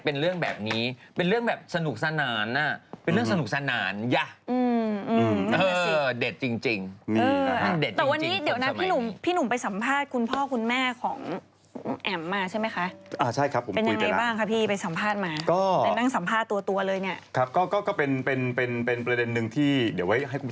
เขาได้มีการชี้เลยบอกว่าเออณตอนนั้นเนี่ยนะฮะ